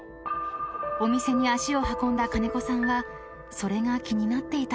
［お店に足を運んだ金子さんはそれが気になっていたようです］